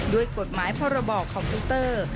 ด้วยกฎหมายพรบคอมพิวเตอร์